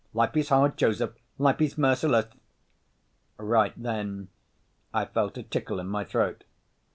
Life is hard, Joseph, life is merciless...." Right then I felt a tickle in my throat.